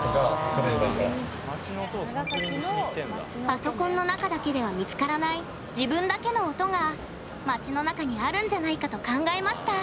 パソコンの中だけでは見つからない自分だけの音が街の中にあるんじゃないかと考えました